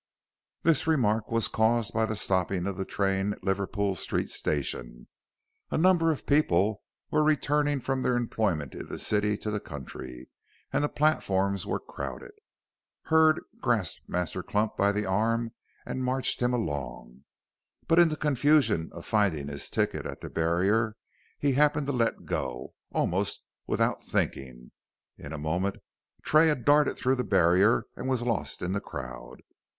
This remark was caused by the stopping of the train at Liverpool Street Station. A number of people were returning from their employment in the city to the country, and the platforms were crowded. Hurd grasped Master Clump by the arm and marched him along. But in the confusion of finding his ticket at the barrier, he happened to let go, almost without thinking. In a moment Tray had darted through the barrier and was lost in the crowd.